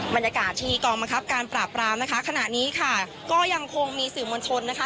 บรรยากาศที่กองบังคับการปราบรามนะคะขณะนี้ค่ะก็ยังคงมีสื่อมวลชนนะคะ